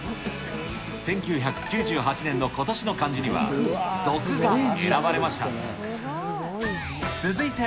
１９９８年の今年の漢字には、毒が選ばれました。